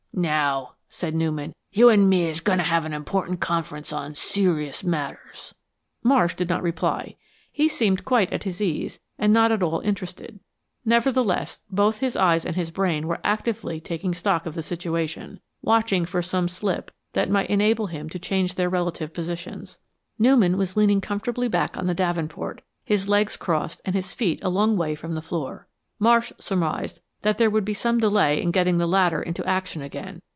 "Now," said Newman, "you and me is goin' to have an important conference on serious matters." Marsh did not reply. He seemed quite at his ease, and not at all interested. Nevertheless, both his eyes and his brain were actively taking stock of the situation; watching for some slip that might enable him to change their relative positions. Newman was leaning comfortably back on the davenport, his legs crossed and his feet a long way from the floor. Marsh surmised that there would be some delay in getting the latter into action again.